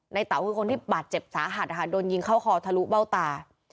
เต๋าคือคนที่บาดเจ็บสาหัสนะคะโดนยิงเข้าคอทะลุเบ้าตา